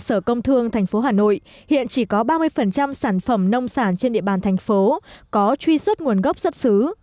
ở sở công thương thành phố hà nội hiện chỉ có ba mươi sản phẩm nông sản trên địa bàn thành phố có truy xuất nguồn gốc xuất xứ